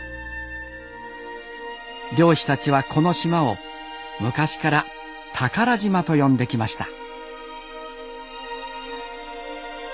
漁師たちはこの島を昔から「宝島」と呼んできました。